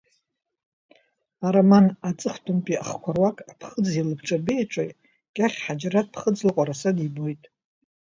Ароман аҵыхәтәантәи ахқәа руак Аԥхыӡи алабҿабеи аҿы Кьахь Ҳаџьараҭ ԥхыӡла Ҟәараса дибоит.